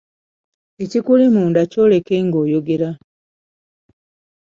Ekikuli munda kyoleke ng'oyogera.